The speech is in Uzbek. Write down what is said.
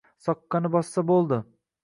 soqqani bossa bo‘ldi.